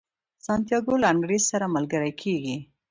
سانتیاګو له انګریز سره ملګری کیږي.